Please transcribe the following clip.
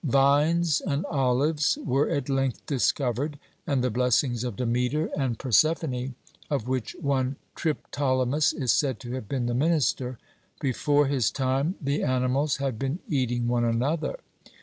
Vines and olives were at length discovered, and the blessings of Demeter and Persephone, of which one Triptolemus is said to have been the minister; before his time the animals had been eating one another.